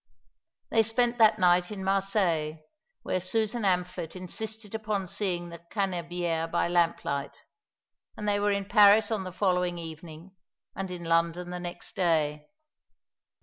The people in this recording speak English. They spent that night in Marseilles, where Susan Amphlett insisted upon seeing the Cannebière by lamplight; and they were in Paris on the following evening, and in London the next day.